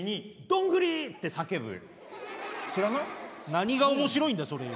何が面白いんだよそれ。